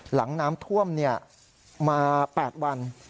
หลังน้ำท่วมมา๘วัน